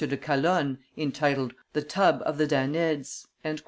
de Calonne, entitled The Tub of the Danaids."